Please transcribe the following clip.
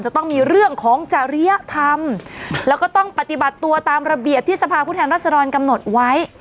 จะต้องมีเรื่องของจริยธรรมแล้วก็ต้องปฏิบัติตัวตามระเบียบที่สภาพผู้แทนรัศดรกำหนดไว้